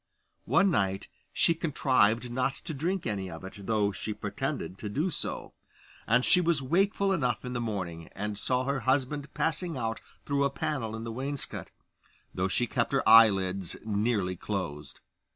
One night she contrived not to drink any of it, though she pretended to do so; and she was wakeful enough in the morning, and saw her husband passing out through a panel in the wainscot, though she kept her eyelids nearly closed.